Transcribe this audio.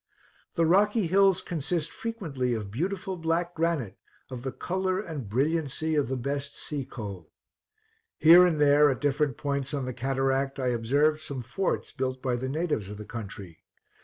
The rocky hills consist frequently of beautiful black granite, of the color and brilliancy of the best sea coal. Here and there, at different points on the Cataract, I observed some forts built by the natives of the country.